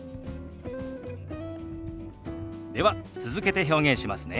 では続けて表現しますね。